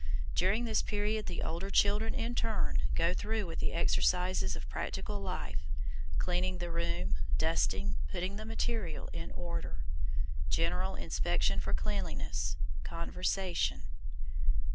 During this period the older children in turn go through with the exercises of practical life, cleaning the room, dusting, putting the material in order. General inspection for cleanliness: Conversation.